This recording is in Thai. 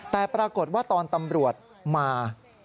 แต่ปรากฏว่าตอนตำรวจมา